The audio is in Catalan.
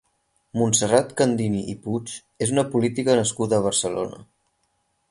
Montserrat Candini i Puig és una política nascuda a Barcelona.